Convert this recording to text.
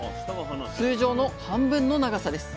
通常の半分の長さです。